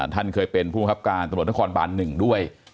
ท่านเคยเป็นผู้บังคับการตำรวจนครบาน๑ด้วย